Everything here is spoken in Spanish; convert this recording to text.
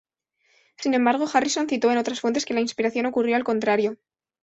Sin embargo, Harrison citó en otras fuentes que la inspiración ocurrió al contrario.